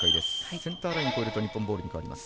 センターラインを越えると日本ボールに変わります。